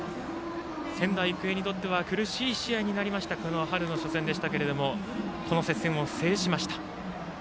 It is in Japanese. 仙台育英にとっては苦しい試合になりました春の初戦でしたけれどもこの接戦を制しました。